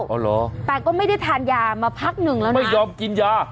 อ๋อเหรอแต่ก็ไม่ได้ทานยามาพักหนึ่งแล้วนะไม่ยอมกินยา